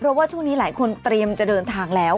เพราะว่าช่วงนี้หลายคนเตรียมจะเดินทางแล้ว